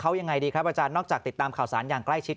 เขายังไงดีครับอาจารย์นอกจากติดตามข่าวสารอย่างใกล้ชิด